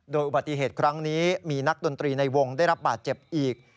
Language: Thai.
โดยอุบัติเหตุครั้งนี้มีนักดนตรีในวงได้รับบาดเจ็บอีก